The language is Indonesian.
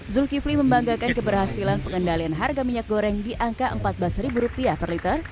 zulkifli membanggakan keberhasilan pengendalian harga minyak goreng di angka rp empat belas per liter